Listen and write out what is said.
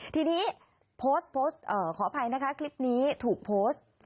ทีนี้โพสต์โพสต์ขออภัยนะคะคลิปนี้ถูกโพสต์